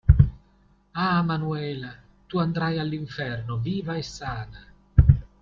Ah, Manuela, tu andrai all'inferno viva e sana